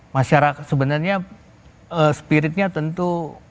masyarakat sebenarnya spiritnya tentu